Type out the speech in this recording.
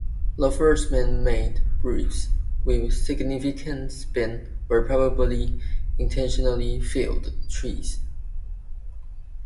The first man-made bridges with significant span were probably intentionally felled trees.